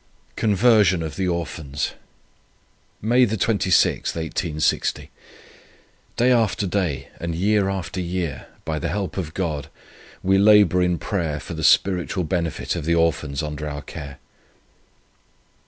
CONVERSION OF THE ORPHANS. "May 26, 1860. Day after day, and year after year, by the help of God, we labour in prayer for the spiritual benefit of the Orphans under our care.